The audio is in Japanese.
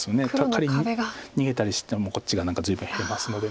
仮に逃げたりしてもこっちが何か随分減りますので。